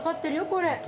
これ。